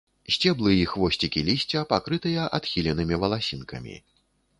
Сцеблы і хвосцікі лісця пакрытыя адхіленымі валасінкамі.